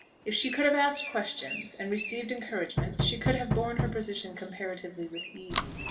If she could have asked questions, and received encouragement, she could have borne her position comparatively with ease.